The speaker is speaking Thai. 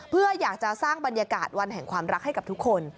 เพื่ออยากจะสร้างบรรยากาศวันแห่งความรักให้กับทุกคน